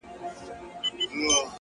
زه څوک لرمه _